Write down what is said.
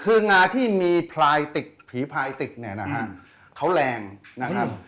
คืองาที่มีพลายติกผีพลายติกเนี่ยนะฮะเขาแรงนะครับ